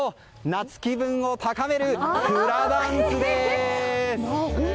夏気分を高めるフラダンスです！